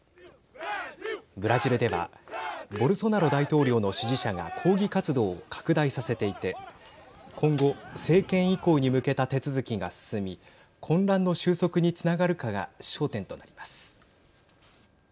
ブラジルではボルソナロ大統領の支持者が抗議活動を拡大させていて今後政権移行に向けた手続きが進み混乱の収束につながるかが焦点となります。